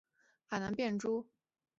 海南便蛛为缕网蛛科便蛛属的动物。